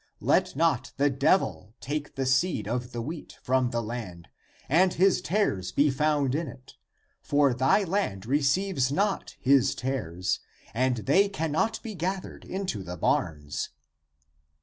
Let not the devil take the seed of the wheat from the land,^<and ^ his tares be found in it; for thy land receives not his tares, and they cannot be gathered into the barns.